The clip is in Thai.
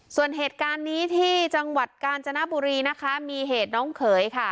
ส่วนเหตุการณ์นี้ที่จังหวัดกาญจนบุรีนะคะมีเหตุน้องเขยค่ะ